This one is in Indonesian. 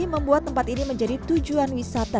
membuat tempat ini menjadi tujuan wisata